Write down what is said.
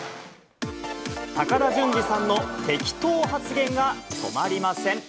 高田純次さんのテキトー発言が止まりません。